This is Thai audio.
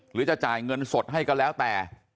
หรือจะจ่ายเงินสดให้ก็แล้วแต่